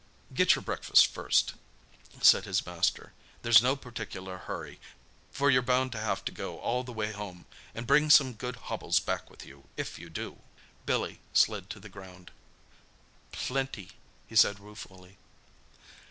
"Get your breakfast first," said his master; "there's no particular hurry, for you're bound to have to go all the way home—and bring some good hobbles back with you, if you do!" Billy slid to the ground. "Plenty!" he said ruefully.